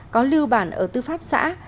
có lưu bản ở tư pháp xã